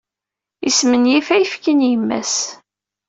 Ismenyif ayefki n yemma-s.